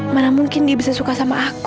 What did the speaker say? mana mungkin dia bisa suka sama aku